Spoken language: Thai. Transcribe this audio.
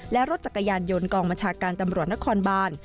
และรถจักรยานยนต์กองบัญชาการตำรวจนครบาน